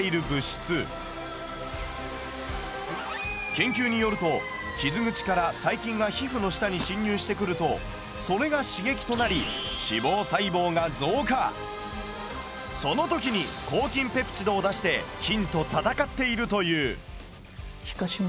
研究によると傷口から細菌が皮膚の下に侵入してくるとそれが刺激となりその時に抗菌ペプチドを出して菌と戦っているという。